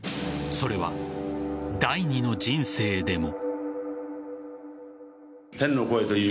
それは第２の人生でも。